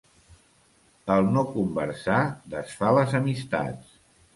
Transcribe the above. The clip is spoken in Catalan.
El no conversar desfà les amistats.